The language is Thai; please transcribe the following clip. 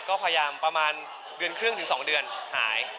ก็พยายามประมาณเดือนครึ่งถึง๒เดือนหาย